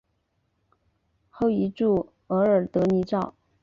后移驻额尔德尼召。